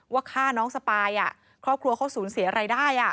ว่าฆ่าน้องสปายครอบครัวเขาสูญเสียรายได้